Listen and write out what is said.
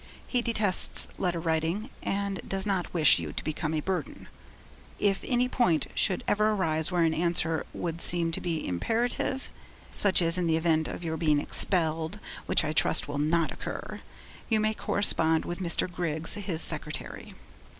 He detests letter writing and does not wish you to become a burden. If any point should ever arise where an answer would seem to be imperative such as in the event of your being expelled, which I trust will not occur you may correspond with Mr. Griggs, his secretary.